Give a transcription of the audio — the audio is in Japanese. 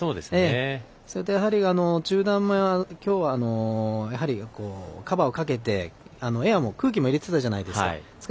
それと、中断もきょうはカバーをかけて空気も入れてたじゃないですか。